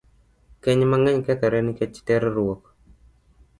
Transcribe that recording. Keny mang'eny kethore nikech terruok.